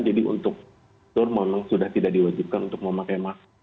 jadi untuk tour memang sudah tidak diwajibkan untuk memakai masker